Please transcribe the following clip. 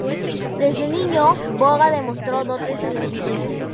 Desde niño, Boga demostró dotes en el dibujo.